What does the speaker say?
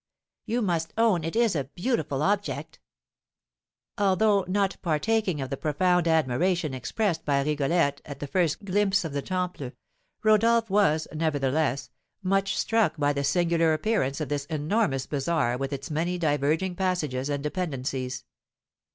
You must own it is a beautiful object?" Although not partaking of the profound admiration expressed by Rigolette at the first glimpse of the Temple, Rodolph was, nevertheless, much struck by the singular appearance of this enormous bazar with its many diverging passages and dependencies.